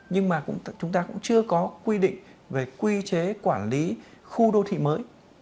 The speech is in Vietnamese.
nhưng mà chúng ta cũng chưa có quy định về quy chế quản lý khu đô thị mới